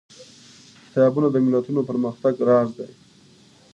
کتابونه د ملتونو د پرمختګ راز دي.